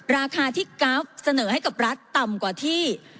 ราคาที่กราฟเสนอให้กับรัฐต่ำกว่าที่